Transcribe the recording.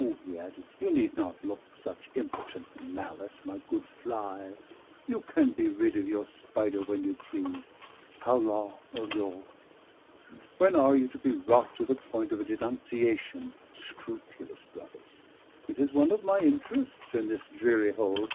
he added, "you need not look such impotent malice, my good fly. You can be rid of your spider when you please. How long, O Lord? When are you to be wrought to the point of a denunciation, scrupulous brother? It is one of my interests in this dreary hole.